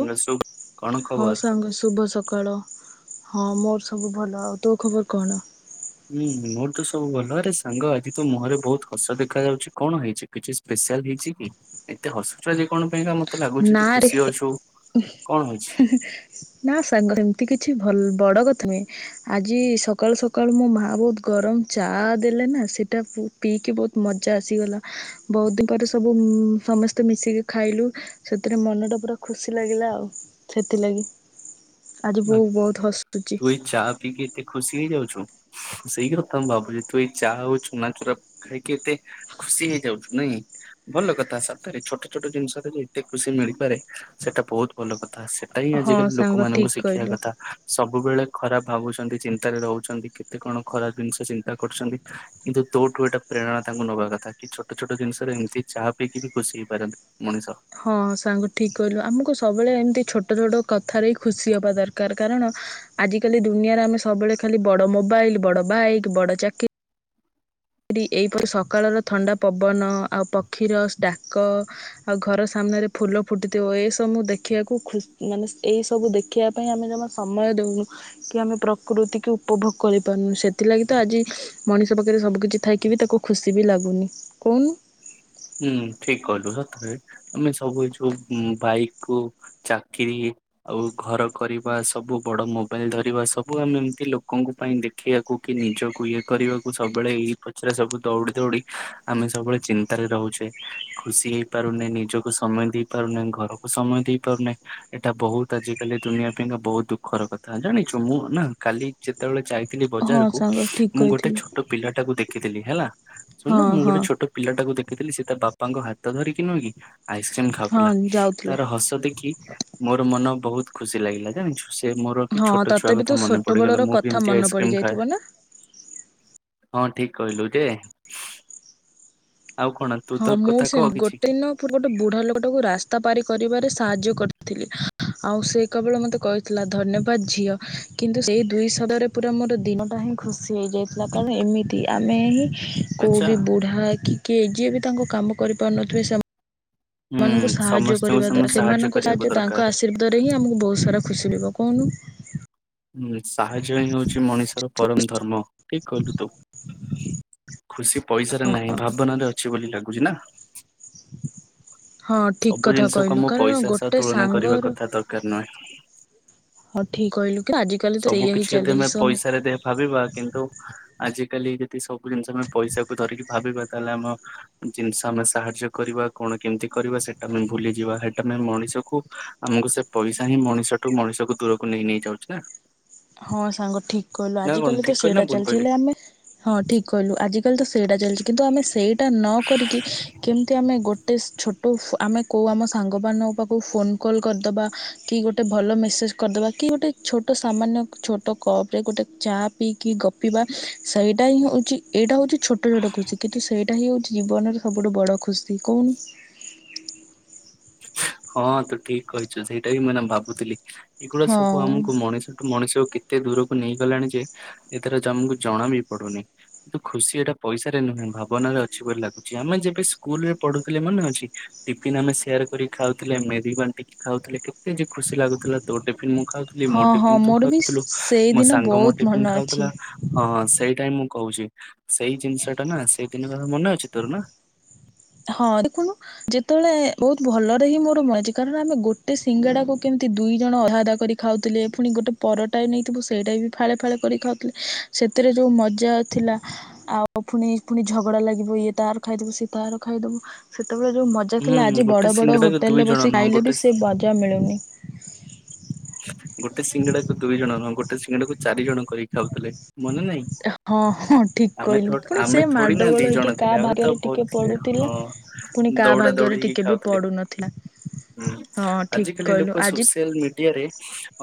ଉ ସୁ କଣ ହଁ ଖବର? ସାଙ୍ଗ ଶୁଭ ସକାଳ। ହଁ ମୋର ସବୁ ଭଲ ଆଉ ତୋ ଖବର କଣ। ହୁଁ ମୋର ତ ସବୁ ଭଲ ଆରେ ସାଙ୍ଗ ଆଜି ତ ମୁହଁରେ ବହୁତ ହସ ଦେଖାଯାଉଛି କଣ ହେଇଛି। କିଛି ସ୍ପେଶାଲ ହେଇଛି କି ଏତେ ହସୁଛୁ ଯେ କଣ ପାଇଁ କା ମତେ ଲାଗୁଛି ନା ତୁ ରେ ଖୁସି ଅଛୁ କଣ ହେଇଛି। ନା ସାଙ୍ଗ ସେମିତି କିଛି ଭଲ ବଡ କଥା ନୁହେଁ। ଆଜି ସକାଳୁ ସକାଳୁ ମୋ ମା ବୋହୁତ ଗରମ ଚା ଦେଲେ ନା ସେଇଟା ପିଇକି ବହୁତ ମଜା ଆସିଗଲା ବହୁତ ଦିନ ପରେ ସବୁ ସମସ୍ତେ ମିଶିକି ଖାଇଲୁ। ସେଥିରେ ମନଟା ପୁରା ଖୁସି ଲାଗିଲା ଆଉ ସେଥିଲାଗି ଆଜି ଆ, ବୋଉ ବହୁତ ହସୁଛି ତୁ ଏଇ ଚା ପିଇ କି ଏତେ ଖୁସି ହେଇଯାଉଛୁ ସେଇ କଥା ମୁଁ ଭାବୁଛ ତୁ ଏଇ ଚା ଆଉ ଛୁନା ଚୁରା ଖାଇକି ଏତେ ଖୁସି ହେଇଯାଉଛୁ ନାଇଁ ଭଲ କଥା ସତରେ ଛୋଟ ଛୋଟ ଜିନିଷରେ ଏତେ ଖୁସି ମିଳିପାରେ ସେଟା ବହୁତ ଭଲ କଥା ତା ପାଇଁ ହଁ ଆଜିକାଲି ସାଙ୍ଗ ଲୋକମାନଙ୍କୁ ଠିକ ଶି କହିଲୁ। ସବୁବେଳେ ଖରାପ ଭାବୁଛନ୍ତି ଚିନ୍ତାରେ ରହୁଛନ୍ତି କେତେ କଣ ଖରାପ ଜିନିଷ ଚିନ୍ତା କରୁଛନ୍ତି। କିନ୍ତୁ ତୋଠୁ ଏଇଟା ପ୍ରେରଣା ତାଙ୍କୁ ନବା କଥା କି ଛୋଟ ଛୋଟ ଜିନିଷରେ ଏମିତି ଚାହା ପିଇକି ବି ଖୁସି ହେଇପାରନ୍ତି। ମଣିଷ ହଁ ସାଙ୍ଗ ଠିକ୍ କହିଲୁ ଆମକୁ ସବୁବେଳେ ଏମିତି ଛୋଟ ଛୋଟ କଥାରେ ଖୁସି ହେବା ଦରକାର କାରଣ। ଆଜିକାଲି ଦୁନିଆରେ ଆମେ ସବୁବେଳେ ଖାଲି ବଡ ମୋବାଇଲ ବଡ ବାଇକ ବଡ ଚାକି ରୀ ଏଇ ପରି ସକାଳର ଥଣ୍ଡା ପବନ ଆଉ ପକ୍ଷୀର ଡାକ ଆଉ ଘର ସାମ୍ନାରେ ଫୁଲ ଫୁଟିଥିବ ଏଇସବୁ ଦେଖିବାକୁ ଖୁ ମାନେ ଏଇ ସବୁ ଦେଖ ଦେଖିବା ପାଇଁ ଆମେ ଜମା ସମୟ ଦେଉନୁ କି ଆମେ ପ୍ରକୃତି କି ଉପଭୋଗ କରିପାରୁନୁ ସେଥିଲାଗି ତ ଆଜି ମଣିଷ ପାଖରେ ସବୁ କିଛି ଥାଇକି ବି ତାକୁ ଖୁସି ବି ଲାଗୁନି କହୁନୁ ହୁଁ ଠିକ କହିଲୁ ସତରେ ଆମେ ସବୁ ଯୋଉ ବାଇକ କୁ ଚାକିରି ଆଉ ଘର କରିବା ସବୁ ବଡ ମୋବାଇଲ ଧରିବା ସବୁ ଆମେ ଏମତି ଲୋକଙ୍କ ପାଇଁ ଦେଖୁ ଦେଖିବାକୁ କି ନିଜକୁ ଇଏ କରିବାକୁ ସବୁବେଳେ ଏଇ ପଛରେ ସବୁ ଦୌଡି ଦୌଡି ଆମେ ସବୁବେଳେ ଚି ଚିନ୍ତାରେ ରହୁଛେ ଖୁସି ହେଇ ପାରୁନେ ନିଜକୁ ସମୟ ଦେଇ ପାରୁନେ ଘରକୁ ସମୟ ଦେଇ ପାରୁନେ। ଏଇଟା ବହୁତ ଆଜିକାଲି ଦୁନିଆ ପାଇଁକା ବହୁତ ଦୁଃଖର କଥା ଜାଣିଛୁ ମୁଁ ନା କାଲି ଯେତେବେଳେ ଯାଇ ଥିଲି ହଁ ବଜାରକୁ ସାଙ୍ଗ ଠିକ୍ ମୁଁ ଗୋଟେ କହିଥିଲୁ ଛୋଟ ପିଲା ଟାକୁ ଦେଖିଥିଲି ହେଲା ହଁ ଶୁଣୁ ମୁଁ ଗୋଟେ ହଁ। ଛୋଟ ପିଲାଟାକୁ ଦେଖି ଥିଲି ସେ ତା ବାପାଙ୍କ ହାତ ଧରିକି ନୁହଁକି ଆଇସ୍କ୍ରିମ ହଁ ଖାଉଥିଲା ଯାଉଥିଲା ତାର ହସ ଦେଖି। ମୋର ମନ ବହୁତ ଖୁସି ଲାଗିଲା ଜାଣିଛୁ। ସେ ମୋର ବି ହଁ ଛୋଟ ଛୁଆ ତତେ ବି ତୋ କଥା ମନେ ଛୋଟ ପଡିଗଲା ବେଳର ମୁଁ ବି କଥା ଏମିତି ମନେ ଆଇସ୍କ୍ରିମ ଖାଏ। ପଡିଯାଇଥିବ ନା? ହଁ ଠିକ୍ କହିଲୁ ଯେ ଆଉ କଣ ତୁ ତୋ ହଁ ମୁଁ କଥା ବି କହ ସେମିତି କିଛି ଗୋଟେ ଦିନ ମୁଁ ଗୋଟେ ବୁଢା ଲୋକଟାକୁ ରାସ୍ତା ପାରି କରିବାରେ ସାହାଯ୍ୟ କରିଥିଲି। ଆଉ ସେ କେବଳ ମତେ କହିଥିଲା ଧନ୍ୟବାଦ ଝିଅ କିନ୍ତୁ ସେଇ ଦୁଇ ସବ୍ଦରେ ପୁରା ମୋର ଦିନଟା ହିଁ ଖୁସି ହେଇଯାଇଥିଲା କାରଣ ଏମିତି ଆମେ ହିଁ ଆଚ୍ଛା କୋଉଠି ବୁଢା କି କିଏ ଯିଏ ବି ତାଙ୍କ କାମ କରିପାରୁନଥିବେ ସେମା ହୁଁ ସେମାନଙ୍କୁ ସାହାଯ୍ୟ ସମସ୍ତଙ୍କୁ କରିବା ସମ ଦ୍ଵାରା ସେମାନଙ୍କୁ କରିବାକୁ ସାହାଯ୍ୟ ଦରକାର। ତାଙ୍କ ଆଶ [unintelligible] ହିଁ ଆମକୁ ବହୁତ ସାରା ଖୁସି ମିଳିବ କହୁନୁ। ହୁଁ ସାହାଯ୍ୟ ହିଁ ହଉଛି ମଣିଷର ପରମ ଧର୍ମ ଠିକ କହିଲୁ ତୁ। ଖୁସି ପଇସାରେ ନାହିଁ ହଁ ଭାବନରେ ଅଛି ବୋଲି ଲାଗୁଚି ନା। ହଁ ଠିକ୍ ସବୁ କଥା ଜିନିଷକୁ ଆମ କହିଲୁ କାରଣ ପଇସା ସହ ଗୋଟେ ତୁଳନା କରିବା ସାଙ୍ଗର [unintelligible] ହଁ ଠିକ କହିଲୁ ତ ଆଜି ସବୁ କିଛି ଯଦି ଆମେ ପଇସାରେ ଭାବିବା କିନ୍ତୁ ଆଜିକାଲିି ଏ ସବୁ ଜିନିଷ ଆମେ ପଇସାକୁ ଧରିକି ଭାବିବା ତାହେଲେ ଆମ ଜିନିଷ ଆମେ ସାହାଯ୍ୟ କରିବା କଣ କେମିତି କରିବା ସେଟା ଆମେ ଭୁଲିଯିବା ସେଟା ଆମେ ମଣିଷକୁ ଆମକୁ ସେ ପଇସା ହିଁ ମଣିଷଠୁ ମଣିଷକୁ ଦୂରକୁ ନେଇ ନେଇ ଯାଉଛି ନା। ହଁ ସାଙ୍ଗ ଠିକ୍ କହିଲୁ ନା ଆଜି କଣ କାଲି ଠିକ ତ କହିଲି ନା ସେଇଟା ଭୁଲ ଚାଲିଚି କହିଲି? ହେଲେ ଆମେ ହଁ ଠିକ୍ କହିଲୁ ଆଜିକାଲି ତ ସେଇଟା ଚାଲିଚି କିନ୍ତୁ ଆମେ ସେଇ ଟା ନ କରିକି କେମିତି ଆମେ ଗୋଟେ ଛୋ ଉଃ ଆମେ କୋଉ ଆମ ସାଙ୍ଗମାନଙ୍କ ପାଖକୁ ଫୋନ୍ କଲ୍ କରିଦବା କି ଗୋଟେ ଭଲ ମେସେଜ୍ କରିଦବା କି ଗୋଟେ ଛୋଟ ସାମାନ୍ୟ ଛୋଟ କପ୍ ରେ ଗୋଟେ ଚା ପିଇକି ଗପିବା ସେଇଟା ହିଁ ହଉଛି ଏଇଟା ହଉଛି ଛୋଟ ଛୋଟ ଖୁସି। କିନ୍ତୁ ସେଇଟା ହିଁ ହଉଛି ଜୀବନର ସବୁଠୁ ବଡ ଖୁସି କହୁନୁ। ହଁ ତୁ ଠିକ୍ କହିଚୁ ସେଇଟା ବି ମୁଁ ଏଇନା ଭାବୁଥିଲି। ଏଗୁଡା ହଁ ସବୁ ଆମକୁ ମଣିଷଠୁ ମଣିଷକୁ କେ କେତେ ଦୂରକୁ ନେଇଗଲାଣି ଯେ ଏଥର ଯାମକୁ ଜଣା ବି ପଡୁନି। କିନ୍ତୁ ଖୁସି ଏଟା ପଇସାରେ ନୁହେଁ ଭାବନାରେ ଅଛି ବୋଲି ଲାଗୁଛି ଆମେ ଯେବେ ସ୍କୁଲ ରେ ପଢୁଥିଲେ ମନେ ଅଛି। ଟିଫିନ୍ ଆମେ ସେୟାର କରିକି ଖାଉଥିଲେ ମିଳି ବାଣ୍ଟିକି ଖାଉଥିଲେ କେତେ ଯେ ଖୁସି ଲାଗୁଥିଲା। ତୋ ଟିଫିନ୍ ମୁଁ ଖାଉଥିଲି ମୋ ହଁ ହଁ ଟିଫିନ୍ ତୁ ମୋର ବି ଖାଉଥିଲୁ ମୋ ସେଇଦିନ ସାଙ୍ଗ ମୋ ବହୁତ ଟିଫିନ୍ ମନେ ଅଛି ଖାଉଥିଲା। ହଁ ସେଇଟା ହିଁ ମୁଁ କହୁଚି ସେଇ ଜିନିଷ ଟା ନା ସେଇ ଦିନ କଥା ମନେ ଅଛି ତୋର ନା? ହଁ ରେ ସାଙ୍ଗ। ଯେତେବେଳେ ବହୁତ ଭଲରେ ହିଁ ମୋର ମନେଅଛି କାରଣ ଆମେ ଗୋଟେ ସିଙ୍ଗଡା କୁ କେମିତି ଦୁଇ ଜଣ ଅଧା ଅଧା କରିକି ଖାଉଥିଲେ ପୁଣି ଗୋଟେ ପରଟା ନେଇଥିବୁ ସେଇଟା ବି ଫାଳେ ଫାଳେ କରି ଖାଉଥିଲେ ସେଥିରେ ଯୋଉ ମଜା ଥିଲା ଆଉ ଫୁଣି ଫୁଣି ଝଗଡା ଲାଗିବୁ ଇଏ ତାର ଖାଇଦବ ସିଏ ତାର ଖାଇଦବୁ ସେତେବେଳେ ଯୋଉ ମଜା ହୁଁ ଥିଲା ଆଜି ଗୋଟେ ବଡ଼ ବଡ଼ ସିଙ୍ଗଡାକୁ ଦୁଇ ହୋଟେଲରେ ଜଣ ବସି ନୁହଁ ଖାଇଲେ ଗୋଟେ ବି ସେ ମଜା ମିଳୁନି। ଗୋଟେ ସିଙ୍ଗଡାକୁ ଦୁଇ ଜଣ ନୁହଁ ଗୋଟେ ସିଙ୍ଗଡାକୁ ଚାରି ଜଣ କରିକି ଖାଉଥିଲେ ମନେ ନାଇଁ। ହଁ ହଁ ଠିକ ଆମେ କହିଲୁ ଥୋଡ ପୁଣି ସେ ଆମେ ଥୋଡି ନା ମାଡ଼ଗୋଳ ଦି ହେଇକି ଜଣ କାହା ଥିଲେ ଆଉ ତ ଭାଗ୍ୟରେ ଟିକେ ବହୁତ ଥିଲେ ପଡୁଥିଲା ହଁ। ପୁଣି କାହା ଦୌଡ଼ା ଭାଗ୍ୟରେ ଦୌଡ଼ି ହେଇ ଟିକେ ବି ଖାଉଥିଲି। ପଡୁନଥିଲା ହୁଁ ହଁ ଠିକ ଆଜିକାଲି କହିଲୁ ଲୋକ ଆଜି ସୋସିଆଲ ମିଡିଆରେ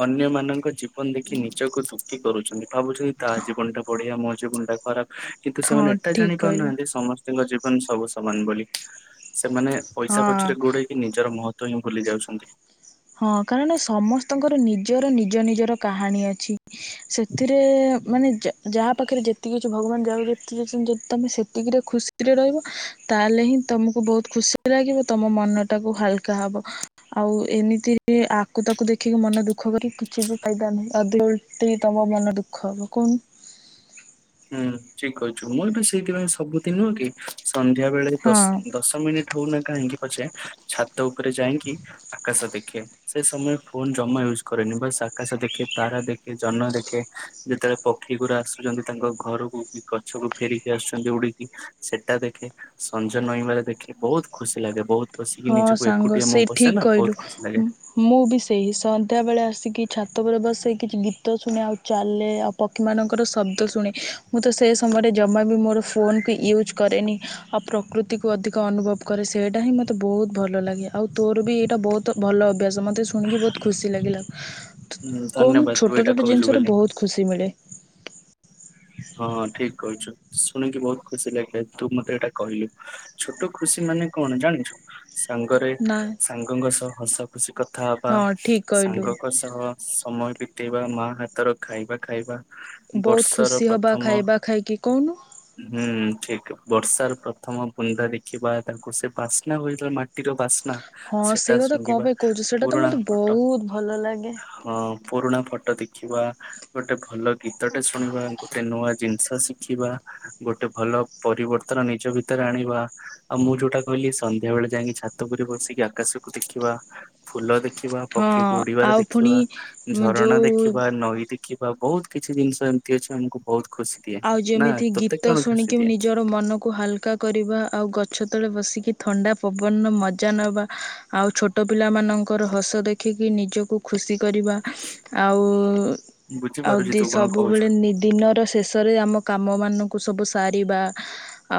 ଅନ୍ୟ ମାନଙ୍କ ଜୀବନ ଦେଖି ନି ନିଜକୁ ଦୁଃଖି କରୁଛନ୍ତି ଭାବୁଛନ୍ତି ତା ଜୀବନଟା ବଢିଆ ମୋ ଜୀବନଟା ଖରାପ କିନ୍ତୁ ହଁ ସେମାନେ ଏଟା ଠିକ ଜାଣି କହିଲୁ। ପାରୁନାହାନ୍ତି ସମସ୍ ସ୍ତିଙ୍କ ଜୀବନ ସବୁ ସମାନ ବୋଲି ସେମାନେ ହଁ ପଇସା ପଛରେ ଗୋଡେଇ କି ନିଜର ମହତ୍ତ୍ଵ ହିଁ ଭୁଲି ଯାଉଛନ୍ତି। ହଁ କାରଣ ସମସ୍ତଙ୍କର ନିଜର ନିଜ ନିଜର କାହାଣୀ ଅଛି। ସେଥିରେ ମାନେ ଯାହା ପାଖରେ ଯେତିକି ଅଛି ଭଗବାନ ଯାହା ଯେତିକି ଦେଇଛନ୍ତି ଯଦି ତମେ ସେତିକିରେ ଖୁସି ରାତିରେ ରହିବ ତାହେଲେ ହିଁ ତମକୁ ବହୁତ ଖୁସି ଲାଗିବ ତମ ମନ ଟାକୁ ହାଲକା ହବ। ଆଉ ଏମିତି ଆକୁ ତାକୁ ଦେଖିକି ମନ ଦୁଃଖ କରିକି କିଛି ବି ଫାଇଦା ନୁହେଁ। ଅଧିକ ଓଲଟେଇ ତମ ମନ ଦୁଃଖ ହବ କହୁନୁ। ହୁଁ ଠିକ୍ କହିଚୁ ମୁଁ ଏବେ ସେଇଥିପାଇଁ ସବୁଦିନ କି ସନ୍ଧ୍ୟା ବେଳେ ଦଶ ହଁ। ଦଶ ମିନିଟ୍ ହୋଉନା କାହିଁକି ପଛେ ଛାତ ଉପରେ ଯାଇକି ଆକାଶ ଦେଖେ ସେ ସମୟ ଫୋନ ଜମା ୟୁଜ କରେନି ବସ୍ ଆକାଶ ଦେଖେ ତାରା ଦେଖେ ଜନ୍ନ ଦେଖେ। ଯେତେବେଳେ ପକ୍ଷୀ ଗୁଡା ଆସୁଛନ୍ତି ତାଙ୍କ ଘରକୁ କି ଗଛକୁ ଫେରିକି ଆସୁଛନ୍ତି ଉଡିକି ସେଟା ଦେଖେ। ସଞ୍ଜ ନଈବାରେ ଦେଖି ବହୁତ ଖୁସି ଲାଗେ ବହୁତ। ବସିକି ହଁ ନିଜକୁ ସାଙ୍ଗ ଏକୁଟିଆ ମୁଁ ସେଇ ବସେ ଠିକ୍ ନା କହିଲୁ ବହୁତ ଖୁସି ଲାଗେ। ମୁଁ ବି ସେଇ ସନ୍ଧ୍ୟାବେଳେ ଆସିକି ଛାତ ଉପରେ ବସେ କିଛି ଗୀତ ଶୁଣେ ଆଉ ଚାଲେ ଆଉ ପକ୍ଷୀମାନଙ୍କର ଶବ୍ଦ ଶୁଣେ ମୁଁ ତ ସେ ସମୟରେ ଜମା ବି ମୋର ଫୋନକୁ ୟୁଜ୍ କରେନି। ଆଉ ପ୍ରକୃତିକୁ ଅଧିକ ଅନୁଭବ କରେ ସେଇଟା ହିଁ ମୋତେ ବହୁତ ଭଲ ଲାଗେ ଆଉ ତୋର ଭି ଏଇଟା ବହୁତ ଭଲ ଅଭ୍ୟାସ। ମତେ ଶୁଣିକି ବହୁତ ଖୁସି ଲାଗିଲା ହୁଁ କହୁନୁ ଧନ୍ୟବାଦ ତୁ ଛୋଟ ଏଇଟା ଛୋଟ କହିଲୁ ବୋଲି। ଜିନିଷରେ ବହୁତ ଖୁସି ମିଳେ। ହଁ ଠିକ୍‌ କହିଛୁ। ଶୁଣିକି ବହୁତ ଖୁସି ଲାଗିଲା ତୁ ମତେ ଏଇଟା କହିଲୁ ଛୋଟ ଖୁସି ମାନେ କଣ ଜାଣିଛୁ? ସାଙ୍ଗରେ ନା ସାଙ୍ଗଙ୍କ ସହ ହସ ଖୁସି କଥା ହବା ହଁ ଠିକ୍ କହିଲୁ ସାଙ୍ଗଙ୍କ ସହ ସମୟ ବିତେଇବା ମା ହାତର ଖାଇବା ଖାଇବା। ବହୁତ ବର୍ଷର ଖୁସି ହବା ପ୍ରଥମ ଖାଇବା ଖାଇକି କହୁନୁ। ହୁଁ ଠିକି ବର୍ଷାର ପ୍ରଥମ ବୁନ୍ଦା ଦେଖିବା ତାଙ୍କୁ ସେ ବାସ୍ନା ହୋଇଗଲା ମାଟି ମାଟିର ବାସ୍ନା ହଁ ସେଟା ସେଇ କଥା କ'ଣ ଶୁଙ୍ଗିବା ପାଇଁ କହୁଛୁ ସେଇଟା ତ ପୁରୁଣା ମୋତେ ଫଟୋ ବହୁତ ଭଲ ଲାଗେ ହଁ ପୁରୁଣା ଫଟୋ ଦେଖିବା ଗୋଟେ ଭଲ ଗୀତଟେ ଶୁଣିବା। ଗୋଟେ ନୂଆ ଜିନିଷ ଶିଖିବା ଗୋଟେ ଭଲ ପରିବର୍ତ୍ତନ ନିଜ ଭିତରେ ଆଣିବା। ଆଉ ମୁଁ ଯୋଉଟା କହିଲି ସନ୍ଧ୍ୟା ବେଳେ ଯାଇକି ଛାତ ଉପରେ ବସିକି ଆକାଶକୁ ଦେଖିବା। ଫୁଲ ଦେଖିବା ହଁ ପକ୍ଷୀକୁ ଉଡିବାର ଆଉ ପୁଣି ଦେଖିବା ଝରଣା ଯୋଉ ଦେଖିବା ନଈ ଦେଖି କିିମ୍ଭା ବହୁତ କିଛି ଜିନିଷ ଏମିତି ଅଛି ଆମକୁ ବହୁତ ଖୁସି ଦିଏ ଆଉ ନା ଯେମିତି ତୋତେ ଗୀତ କଣ ଖୁସି ଶୁଣିକି ଦିଏ ନିଜର ମନକୁ ହାଲକା କରିବା ଆଉ ଗଛ ତଳେ ବସିକି ଥଣ୍ଡା ପବନର ମଜା ନେବା ଆଉ ଛୋଟ ଛୋଟ ପିଲାମାନଙ୍କର ହସ ଦେଖିକି ନିଜକୁ ଖୁସି କରିବା ଆଉ ବୁଝିପାରୁଛି ଦି ତୁ କଣ କହୁଛୁ ସବୁବେଳେ ନିଦିନର ତ ରେ ଆମ କାମ ମାନଙ୍କୁ ସବୁ ସାରିବା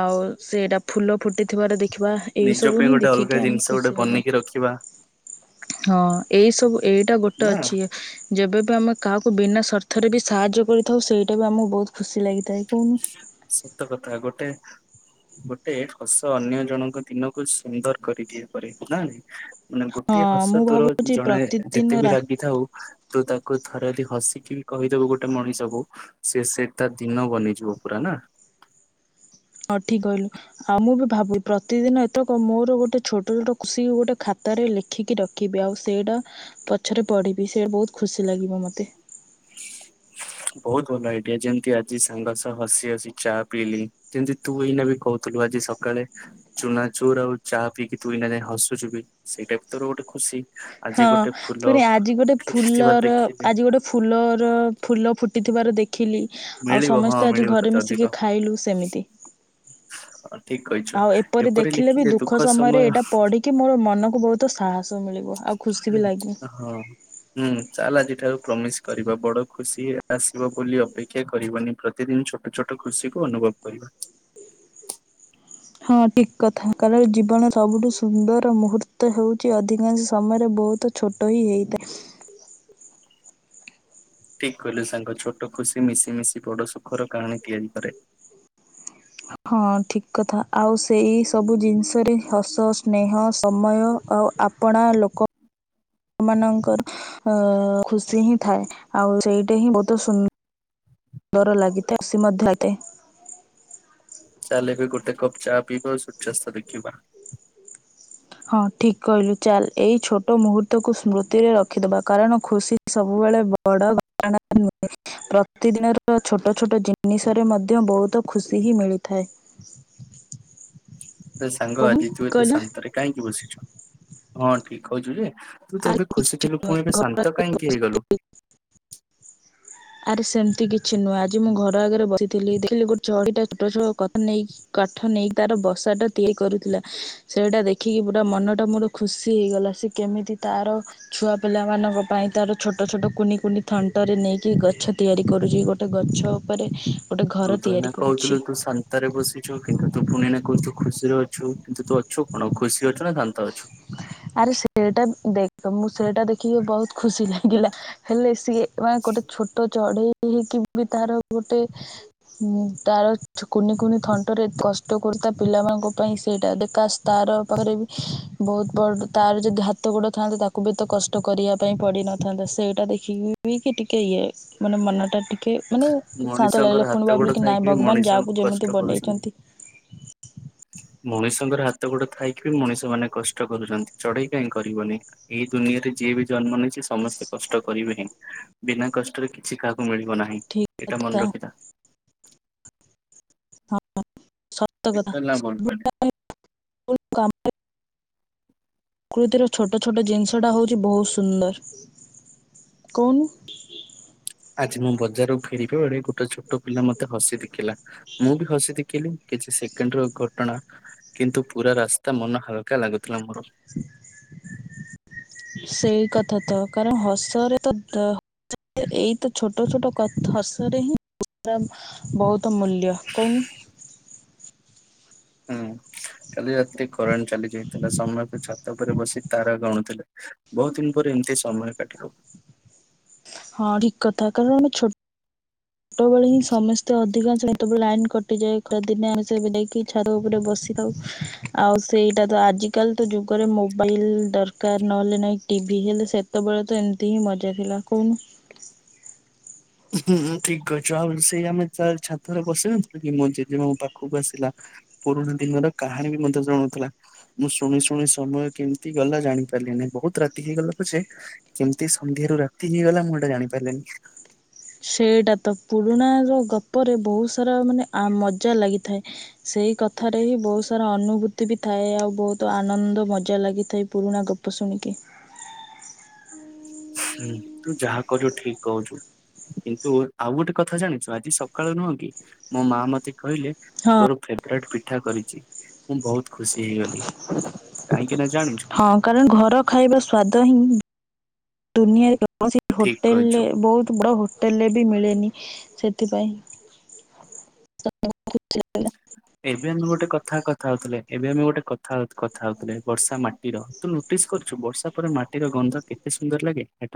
ଆଉ ସେଟା ଫୁଲ ଫୁଟିଥିବାର ଦେଖ ଛୁଆ ଏଇ ନିଜ ସବୁ ପାଇଁ ହିଁ ଗୋଟେ ଅଲଗା ଦେଖିକି ଆମେ ଜିନିଷ ଗୋଟେ ଖୁସି ହେବ। ବନେଇକି ରଖିବା ହଁ ଏଇ ସବୁ ଏଇଟା ଗୋଟେ ନା ଅଛି। ଯେବେବି ଆମେ କାହାକୁ ବିନା ସ୍ୱାର୍ଥ ରେ ବି ସାହାଯ୍ୟ କରିଥାଉ ସେଇଟା ବି ଆମକୁ ବହୁତ ଖୁସି ଲାଗିଥାଏ। ତାଇ କହୁନୁ ସତ କଥା ଗୋଟେ ଗୋଟେ ହସ ଅନ୍ୟ ଜଣଙ୍କ ଦିନକୁ ସୁନ୍ଦର କରିଦିଆ ପାରେ ନାଇଁ। ମାନେ ହଁ ଗୋଟଏ ମୁଁ ହସ ତୋର ଭାବୁଛି ଜଣାଏ ଯେତେ ପ୍ରତିଦିନ ବି ରା ରାଗିଥାଉ ତୁ ତାକୁ ଥରେ ଯଦି ହସିକି ବି କହିଦବୁ ଗୋଟେ ମଣିଷକୁ ସିଏ ସେ ତା ଦିନ ବନେଇଯିବ ପୁରା ନା। ହୋଉ ଠିକ୍ କହିଲୁ। ଆଉ ମୁଁ ବି ଭାବୁ ପ୍ରତିଦିନ ଏତକ ମୋର ଗୋଟେ ଛୋଟ ଛୋଟ ଖୁସି ମୋର ଗୋଟେ ଖାତାରେ ଲେ ଦେଖିକି ରଖିବି ଆଉ ସେଇଟା ପଛରେ ପଢ଼ିବି ସେଇ ବହୁତ ଖୁସି ଲାଗିବ ମୋତେ। [unintelligible] ବହୁତ ଭଲ ଆଡ଼ୟା ଯେମତି ଆଜି ସାଙ୍ଗ ସହ ହସି ହସି ଚା ପିଇଲି। ଯେମତି ତୁ ଏଇନା ବି କହୁଥିଲୁ ଆଜି ସକାଳେ ଚୁନା ଚୁର୍ ଆଉ ଚାହା ପିଇକି ତୁ ନା ଯାଏଁ ହସୁଛୁ ବି ସେଟା ବି ତୋର ଗୋଟେ ଖୁସି। ଆଜି ହଁ ଗୋଟେ ଫୁଲ ପୁଣି ଆଜି ଗୋଟେ ଥିବା ଫୁଲର ଦେଖିଲି ଆଜି ଗୋଟେ ଫୁଲର ଫୁଲ ଫୁଟିଥିବାର ଦେଖ ଖିଲି ଆଉ ମିଳିବ ହଁ ସମସ୍ତେ ଆଜି ମିଳିବ ଘରେ ତତେ ଅଧିକ। ମିଶିକି ଖାଇଲୁ ସେମିତି ହଁ ଠିକ କହିଛୁ ଆଉ ଏପରି ଦେଖିଲେ ବି ଲେଖିଲେ ଦୁଃଖ ସମୟରେ ସମୟ ଏଇଟା ପଡି କି ମୋର ମନକୁ ବହୁତ ସାହସ ମିଳିବ। ଆଉ ଖୁସି ବି ଲାଗେ। ହଁ। ହୁଁ ଚାଲ ଆଜିଠାରୁ ପ୍ରମିସ୍ କରିବା ବଡ ଖୁସି ଆସିବ ବୋଲି ଅପେ କ୍ଷା କରିବନି ପ୍ରତିଦିନ ଛୋଟ ଛୋଟ ଖୁସି କୁ ଅନୁଭବ କରିବା। ହଁ ଠିକ୍ କଥା କାରଣ ଜୀବନ ସବୁଠୁ ସୁନ୍ଦର ମୁହୂର୍ତ୍ତ ହେଉଛି ଅଧିକାଂଶ ସମୟରେ ବହୁତ ଛୋଟ ହି ହୋଇତା ଠିକ୍ କହିଲେ ସାଙ୍ଗ ଛୋଟ ଖୁସି ମିଶି ମିଶି ବଡ ସୁଖର କାହାଣୀ ତିଆରି କରେ। ହଁ ଠିକ୍ କଥା ଆଉ ସେଇ ସବୁ ଜିନିଷରେ ହସ ସ୍ନେହ ସମୟ ଆଉ ଆ ପଣା ଲୋକ ମାନଙ୍କର ଅ ଖୁସି ହିଁ ଥାଏ ଆଉ ସେଇଟା ହିଁ ବହୁତ ସୁନ୍ଦ ଡର ଲାଗିଥାଏ ସି ମଧ୍ୟତେ ଚାଲେ ଏବେ ଗୋଟେ କପ୍ ଚା ପିବା ସୂର୍ଯ୍ୟାସ୍ତ ଦେଖିବା। ହଁ ଠିକ କହିଲୁ ଚାଲ ଏଇ ଛୋଟ ମୁହୂର୍ତ୍ତକୁ ସ୍ମୃତିରେ ରଖିଦବା କାରଣ ଖୁସି ସବୁବେଳେ ବଡ। [unintelligible] ପ୍ରତିଦିନର ଛୋଟ ଛୋଟ ଜିନିଷରେ ମଧ୍ୟ ବହୁତ ଖୁସି ହିଁ ମିଳିଥାଏ। [unintelligible] ଏ ସାଙ୍ଗ ଓଃ ଆଜି ତୁ ଠିକ୍ ଏତେ କହିଲି ନା? ଶାନ୍ତରେ କାହିଁକି ବସିଛ ହଁ ଠିକ୍ କଇଛୁ ଯେ ତୁ ତ ଆରେ ଏବେ ଖୁସି କିଛି ଥିଲୁ ନୁହେଁ। ପୁଣି ଏବେ ଶାନ୍ତ ଘରର କାହିଁକି ହେଇଗଲୁ? ଆରେ ସେମିତି କିଛି ନୁହେଁ ଆଜି ମୁଁ ଘର ଆଗରେ ବସି ଥିଲ ଦେଖିଲି ଗୋଟ ଚଢିଟା ଛୋଟ ଛୋଟ କଥା ନେଇକି କାଠ ନେଇକି ତାର ବସାଟା ତିଆରି କରୁଥିଲା ସେଇଟା ଦେଖିକି ପୁରା ମନଟା ମୋର ଖୁସି ହେଇଗଲା ସେ କେମିତି ତାର ଛୁଆ ପିଲାମାନାନଙ୍କ ପାଇଁ ତାର ଛୋଟ ଛୋଟ କୁନି କୁନି ଥଣ୍ଟରେ ନେଇକି ଗଛ ତିଆରି କରୁଛି ଗୋଟ୍ ଗୋଟେ ଗଛ ଉପରେ ଗୋଟେ ଘର ତିଆରି କରୁଛି। ତରେ ବସିଛୁ କିନ୍ତୁ ତୁ ପୁଣି ନା କହୁଛୁ ଖୁସିରେ ଅଛୁ କିନ୍ତୁ ତୁ ଅଛୁ କଣ ଖୁସି ଅଛୁ ନା ଦାନ୍ତ ଅଛୁ? ଆରେ ସେଟା ଦେଖ୍ ତ ମୁଁ ସେଟା ଦେଖିକି ବହୁତ୍ ଖୁସି ଲାଗିଲା। ହେଲେ ସିଏ ମାନେ ଗୋଟେ ଛୋଟ ଚଢେଇ ହେଇକି ବି ତାର ଗୋଟେ ହୁଁ ତାର କୁନି କୁନି ଥଣ୍ଟରେ କଷ୍ଟ କରୁଚି ତା ପିଲାମାନଙ୍କ ପାଇଁ ସେଇଟା ଦେକାଶ୍ ତାର ପାଖରେ ବି ବହୁତ ବଡ଼ ତାର ଯଦି ହାତ ଗୋଡ଼ ଥାଆନ୍ତା ତାକୁ ବି ଏତେ କଷ୍ଟ କରିବା ପାଇଁ ପଡ଼ିନଥାନ୍ତା ସେଇଟା ଦେଖିକି କେ ଟିକେ ଇଏ ମାନେ ମନ ଟା ଟି କି ମାନେ ଶାନ୍ତ ମଣିଷଙ୍କର ଲାଗିଲା ପୁଣି ହାତ ଗୋଡ ଭାବିଲିକି ଥାଇକି ନାଇଁ ବି ଭଗବାନ୍ ମଣିଷ ଯାହାକୁ କଷ୍ଟ ଯେମିତି କରୁଛନ୍ତି। ବନେଇଛନ୍ତି। ମଣିଷଙ୍କର ହାତ ଗୋଡ ଥାଇକି ବି ମଣିଷ ମାନେ କଷ୍ଟ କରୁଛନ୍ତି ଚଢେଇ କାହିଁକି କରିବନି। ଏଇ ଦୁନିଆରେ ଯିଏ ବି ଜନ୍ମ ନେଇଛି ସମସ୍ତେ କଷ୍ଟ କରିବେ ହିଁ ବିନା କଷ୍ଟରେ କିଛି କାହାକୁ ମିଳିବ ନାହିଁ ଠିକ୍ ଏଇଟା କଥା ମନେ ରଖିିଥା। ଠିକ୍ କହିଲି ନା ଭୁଲ କହିଲି? [unintelligible] ପ୍ରକୃତିର ଛୋଟ ଛୋଟ ଜିନିଷଟା ହଉଛି ବହୁତ ସୁନ୍ଦର। କହୁନୁ? ଆଜି ମୁଁ ବଜାରୁ ଫେରିବା ବେଳେ ଗୋଟେ ଛୋଟ ପିଲା ମତେ ହସି ଦେଖିଲା। ମୁଁ ବି ହସି ଦେଖିଲି କିଛି ସେକେଣ୍ଡ ର ଘଟଣା। କିନ୍ତୁ ପୁରା ରାସ୍ତା ମନ ହାଲକା ଲାଗୁଥିଲା ମୋର। [unintelligible] ସେଇ କଥା ତ କାରଣ ହସରେ ତ ଏଇତ ଛୋଟ ଛୋଟ କଥା ହସରେ ହିଁ ବହୁତ ମୂଲ୍ୟ କହୁନୁ। ହୁଁ କାଲି ରାତିରେ କରେଣ୍ଟ ଚାଲି ଯାଇଥିଲା ସମସ୍ତେ ଛ ତ ଉପରେ ବସି ତାରା ଗଣୁଥିଲେ। ବହୁତ ଦିନ ପରେ ଏମିତି ସମୟ କାଟିଲୁ। ହଁ ଠିକ କଥା କାରଣ ଆମେ ଛୋଟ ଛଟୋବେେଳେ ହିଁ ସମସ୍ତେ ଅଧିକାଂଶ ଯେତେବେଳେ ଲାଇନ୍ କଟିଯାଏ ଖରା ଦିନେ ଆମେ ସେବେ ଯାଇକି ଛାତ ଉପରେ ବସିଥାଉ। ଆଉ ସେଇଟା ତ ଆଜିକାଲି ତ ଯୁଗରେ ମୋବାଇଲ ଦରକାର ନହେଲେ ନାଇଁ ଟିଭି କିନ୍ତୁ ସେ ସେତବେଳେ ତ ଏମିତି ହିଁ ମଜା ଥିଲା କହୁନୁ। ହୁଁ ଠିକ୍ କହିଛ ଆଉ ସେଇ ଆମେ ଛାତରେ ବସି ନଥିଲୁ କି ମୋ ଜେଜେମା ମୋ ପାଖକୁ ଆସିଲା। ପୁରୁଣା ଦିନର କାହାଣୀ ବି ମତେ ଜଣଉଥିଲା। ମୁଁ ଶୁଣି ଶୁଣି ସମୟ କେମିତି ଗଲା ଜାଣି ପାରିଲିନି ବହୁତ ରାତି ହେଇଗଲା ପଛେ କେମିତି ସନ୍ଧ୍ୟା ରୁ ରାତି ହେଇଗଲା ମୁଁ ଏଟା ଜାଣିପାରିଲିନି। ସେଇଟା ତ ପୁରୁଣା ର ଗପରେ ବହୁତ ସାରା ମାନେ ଆ ମଜା ଲାଗିଥାଏ। ସେଇ କଥାରେ ହିଁ ବହୁତ ସାରା ଅନୁଭୂତି ବି ଥାଏ ଆଉ ବହୁତ ଆନନ୍ଦ ମଜା ଲାଗିଥାଏ ପୁରୁଣା ଗପ ପଶୁଣିକି। ହୁଁ ତୁ ଯାହା କହୁଛୁ ଠିକ କହୁଛୁ। କିନ୍ତୁ ଆଉ ଗୋଟେ କଥା ଜାଣିଛୁ ଆଜି ସକାଳୁ ନୁହଁ କି ମୋ ମା ମତେ କହିଲେ ହଁ। ତୋର ଫେବ୍ରାଇଟ୍ ପିଠା କରିଛି। ମୁଁ ବହୁତ ଖୁସି ହେଇଗଲି କାହିଁକି ନା ଜାଣିଛୁ ହଁ କାରଣ ଘର ଖାଇବା ସ୍ଵାଦ ହିଁ ଦୁନିଆରେ କୌଣସି ଠିକ ହୋଟେଲରେ କହିଛୁ। ବହୁତ ବଡ଼ ହୋ ଟେଲେ ରେ ବି ମିଳେନି ସେଥିପାଇଁ [unintelligible] [unintelligible] ଏବେ ଆମେ ଗୋଟେ କଥା କଥା ହଉଥିଲେ ଏବେ ଆମେ ଗୋଟେ କଥା କଥା ହଉଥିଲେ ବର୍ଷା ମାଟିର ତୁ ନୋଟିସ୍ କରୁଛୁ ବର୍ଷା ପରେ ମାଟିର ଗନ୍ଧ କେତେ ସୁନ୍ଦର ଲାଗେ।